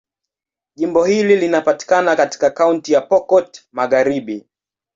Jimbo hili linapatikana katika Kaunti ya Pokot Magharibi.